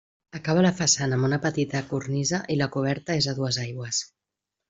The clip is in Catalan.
Acaba la façana amb una petita cornisa i la coberta és a dues aigües.